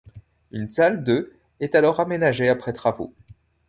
Une salle de est alors aménagée après travaux.